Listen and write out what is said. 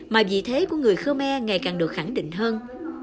mà vì thế của người khô me ngày càng được khẳng định hơn